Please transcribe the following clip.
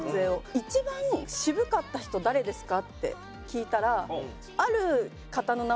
一番渋かった人誰ですか？って聞いたら。